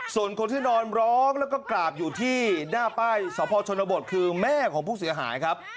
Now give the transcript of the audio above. ส่วนคนที่นอนร้องแล้วก็กราบอยู่ที่หน้าป้ายสพชนบทคือแม่ของผู้เสียหายครับ